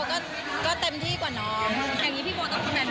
คือยังติดอยู่แบบทำงานด้วยกันสองคนตลอด